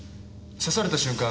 刺された瞬間